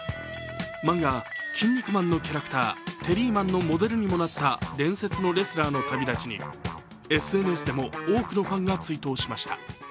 漫画「キン肉マン」のキャラクターテリーマンのモデルにもなった伝説のレスラーの旅立ちにＳＮＳでも多くのファンが追悼しました。